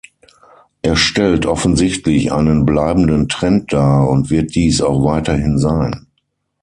Er stellt offensichtlich einen bleibenden Trend dar und wird dies auch weiterhin sein.